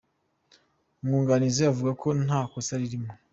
Umwunganizi avuga ko nta kosa ririmo.